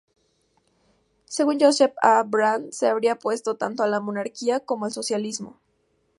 Según Joseph A. Brandt se habría opuesto tanto a la monarquía como al socialismo.